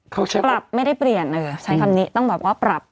ปรับไม่ได้เปลี่ยนเออใช้คำนี้ต้องบอกว่าปรับ